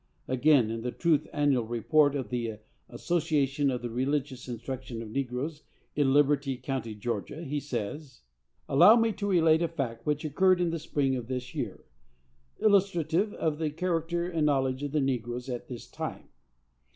Again, in the Tenth Annual Report of the "Association for the Religious Instruction of the Negroes in Liberty County Georgia," he says: Allow me to relate a fact which occurred in the spring of this year, illustrative of the character and knowledge of the negroes at this time.